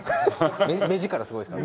目力すごいですから。